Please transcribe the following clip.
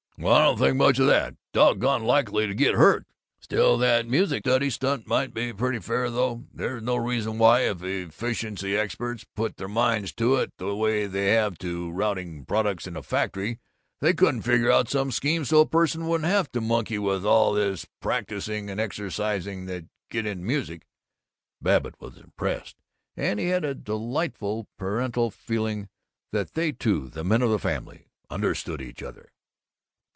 "Well, I don't think much of that. Doggone likely to get hurt. Still, that music study stunt might be pretty fair, though. There's no reason why, if efficiency experts put their minds to it the way they have to routing products in a factory, they couldn't figure out some scheme so a person wouldn't have to monkey with all this practising and exercises that you get in music." Babbitt was impressed, and he had a delightful parental feeling that they two, the men of the family, understood each other.